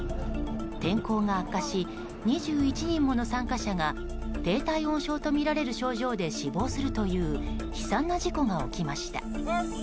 天候が悪化し２１人もの参加者が低体温症とみられる症状で死亡するという悲惨な事故が起きました。